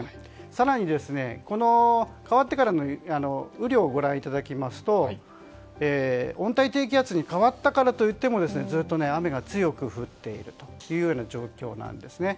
更に、変わってからの雨量をご覧いただきますと温帯低気圧に変わったからといってもずっと雨が強く降っているというような状況なんですね。